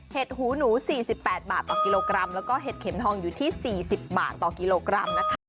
หูหนู๔๘บาทต่อกิโลกรัมแล้วก็เห็ดเข็มทองอยู่ที่๔๐บาทต่อกิโลกรัมนะคะ